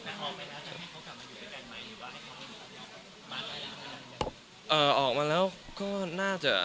อเจมส์ออกมาแล้วจะให้เขากลับมาอยู่ด้วยกันไหมหรือว่าให้เขามาแล้ว